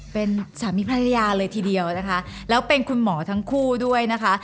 เป็นสามีภรรยาเลยทีเดียวนะคะแล้วเป็นคุณหมอทั้งคู่ด้วยนะคะ